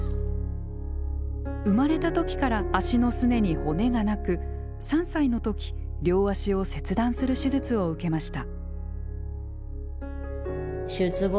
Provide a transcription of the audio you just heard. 生まれた時から足のすねに骨がなく３歳の時両足を切断する手術を受けました。